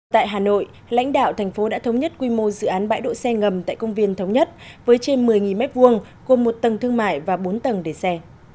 tại hà nội lãnh đạo thành phố đã thống nhất quy mô dự án bãi đỗ xe ngầm tại công viên thống nhất với trên một mươi m hai gồm một tầng thương mại và bốn tầng để xe